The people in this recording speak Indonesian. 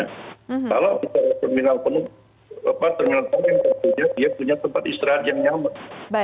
kalau terminal penumpang dia punya tempat istirahat yang nyaman